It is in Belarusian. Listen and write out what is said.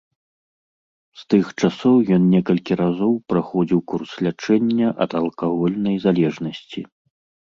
З тых часоў ён некалькі разоў праходзіў курс лячэння ад алкагольнай залежнасці.